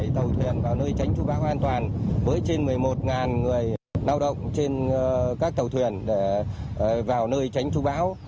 ba hai trăm chín mươi bảy tàu huyền vào nơi tránh thu bão an toàn với trên một mươi một người lao động trên các tàu huyền vào nơi tránh thu bão